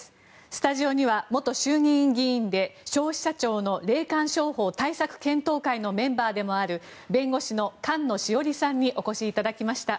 スタジオには、元衆議院議員で消費者庁の霊感商法対策検討会のメンバーでもある弁護士の菅野志桜里さんにお越しいただきました。